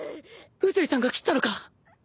宇髄さんが斬ったのか！？